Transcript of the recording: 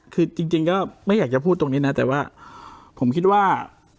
คือจริงก็ไม่อยากจะพูดตรงนี้นะแต่ว่าผมคิดว่า